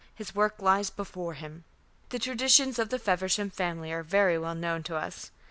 His work lies before him. The traditions of the Feversham family are very well known to us.